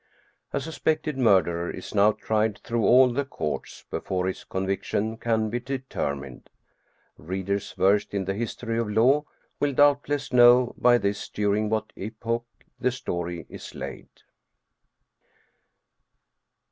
A suspected murderer is now tried through all the courts before his conviction can be determined. Readers versed in the history of law will doubtless know by this iduring what epoch the story is laid.